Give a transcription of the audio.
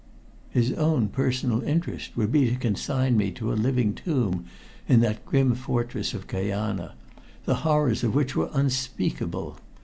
His own personal interest would be to consign me to a living tomb in that grim fortress of Kajana, the horrors of which were unspeakable.